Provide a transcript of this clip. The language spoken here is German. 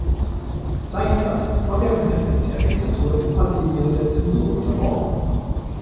Seixas war während der Militärdiktatur in Brasilien der Zensur unterworfen.